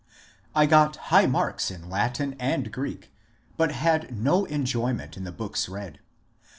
I got high marks in Latin and Ghreek, but had no enjoy ment in the books read.